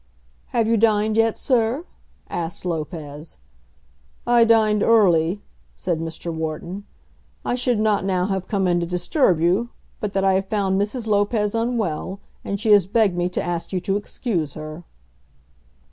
"Have you dined yet, sir?" asked Lopez. "I dined early," said Mr. Wharton. "I should not now have come in to disturb you, but that I have found Mrs. Lopez unwell, and she has begged me to ask you to excuse her."